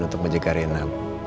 untuk menjaga rena